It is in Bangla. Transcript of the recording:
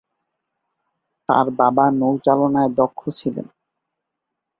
তার বাবা নৌচালনায় দক্ষ ছিলেন।